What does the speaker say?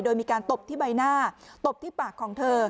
โดยมีการตบที่ใบหน้าตบที่ปากของเธอ